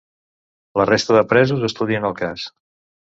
La resta de presos estudien el cas.